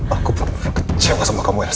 aku pun kecewa sama kamu elsa